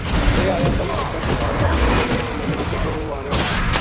لے آیا با کچرا کو بھار پل ما گُم گیو اِنھا ں نے کچر و آنیو